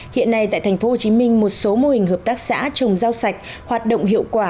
hiện nay tại thành phố hồ chí minh một số mô hình hợp tác xã trồng rau sạch hoạt động hiệu quả